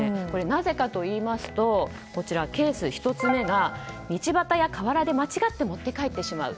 なぜかといいますとケース１つ目が道端や河原で間違って持って帰ってしまう。